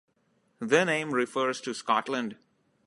The name refers to Scotland.